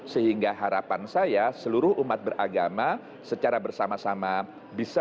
sehingga harapan saya seluruh umat beragama secara bersama sama bisa